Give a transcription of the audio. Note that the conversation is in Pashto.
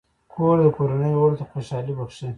کور د کورنۍ غړو ته خوشحالي بښي.